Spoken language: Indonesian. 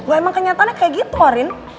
lo emang kenyataannya kayak gitu arin